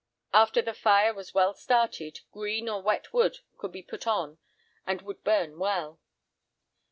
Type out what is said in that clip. After the fire was well started, green or wet wood could be put on and would burn well.